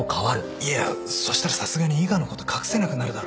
いやそしたらさすがに伊賀のこと隠せなくなるだろ。